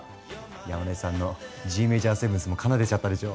山根さんのＧメジャーセブンスも奏でちゃったでしょう？